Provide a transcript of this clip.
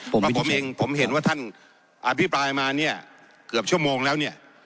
เพราะผมเองผมเห็นว่าท่านอภิปรายมาเนี่ยเกือบชั่วโมงแล้วเนี่ย